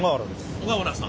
小川原さん。